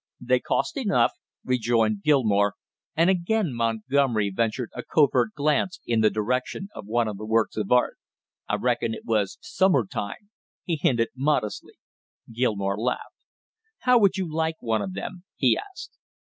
"They cost enough!" rejoined Gilmore, and again Montgomery ventured a covert glance in the direction of one of the works of art. "I reckon it was summer time!" he hinted modestly. Gilmore laughed. "How would you like one of them?" he asked.